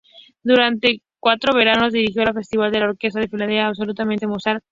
Durante cuatro veranos, dirigió el Festival de la Orquesta de Filadelfia "Absolutamente Mozart".